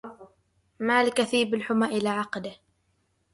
ما لكثيب الحمى إلى عقده